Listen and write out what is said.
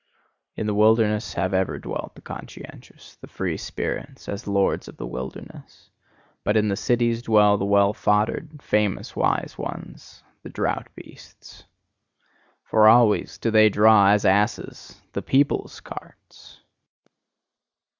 In the wilderness have ever dwelt the conscientious, the free spirits, as lords of the wilderness; but in the cities dwell the well foddered, famous wise ones the draught beasts. For, always, do they draw, as asses the PEOPLE'S carts!